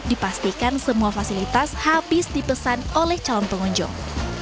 dipastikan semua fasilitas habis dipesan oleh calon pengunjung